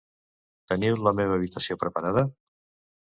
Teniu la meva habitació preparada?